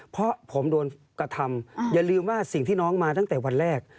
เพราะผมโดนกระทำอย่าลืมว่าสิ่งที่น้องมาตั้งแต่วันแรก